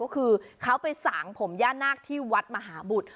ก็คือเขาไปสางผมย่านาคที่วัดมหาบุตร